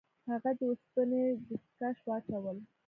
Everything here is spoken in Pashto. هغه د اوسپنې دستکش واچول.